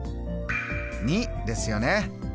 ２ですよね。